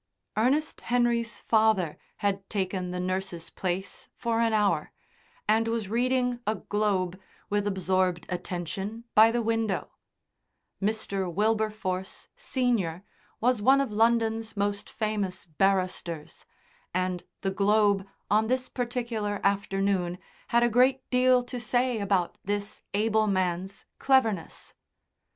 Ernest Henry's father had taken the nurse's place for an hour, and was reading a Globe with absorbed attention by the window; Mr. Wilberforce, senior, was one of London's most famous barristers, and the Globe on this particular afternoon had a great deal to say about this able man's cleverness.